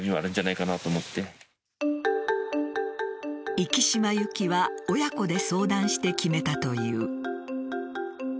壱岐島行きは親子で相談して決めたという。